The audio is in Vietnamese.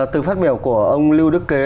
từ phát biểu của ông lưu đức kế